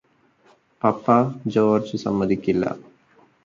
പപ്പ George സമ്മതിക്കില്ല